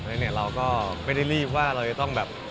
แล้วเราก็ไม่ได้รีบว่าเราจะต้องแบบ